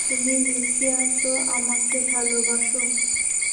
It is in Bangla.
তুমি লিখিয়াছ, আমাকে ভালোবাস।